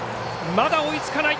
まだ追いつかない。